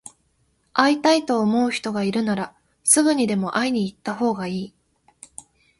会いたいと思う人がいるなら、すぐにでも会いに行ったほうがいい。